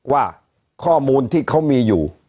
ว่าข้อมูลที่เขามีอยู่